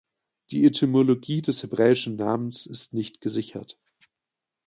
Die Etymologie des hebräischen Namens ist nicht gesichert.